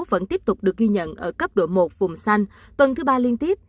vẫn tiếp tục được ghi nhận ở cấp độ một vùng xanh tuần thứ ba liên tiếp